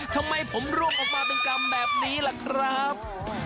ทำไมผมร่วงออกมาเป็นกรรมแบบนี้ล่ะครับ